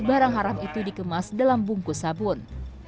barang haram itu dikemas dalam bungkus sabun